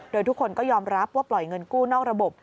โดยทุกคนก็ยอมรับว่าปล่อยเงินกู้นอกระบบ